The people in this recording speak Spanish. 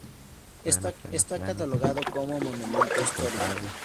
Está catalogado como monumento histórico.